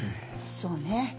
そうね。